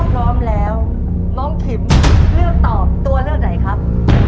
พร้อมแล้วน้องขิมเลือกตอบตัวเลือกไหนครับ